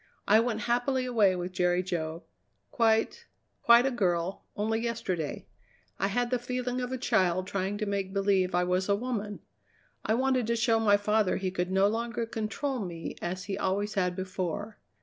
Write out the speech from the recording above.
"I went happily away with Jerry Jo, quite, quite a girl, only yesterday. I had the feeling of a child trying to make believe I was a woman. I wanted to show my father he could no longer control me as he always had before.